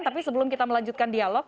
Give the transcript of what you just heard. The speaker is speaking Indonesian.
tapi sebelum kita melanjutkan dialog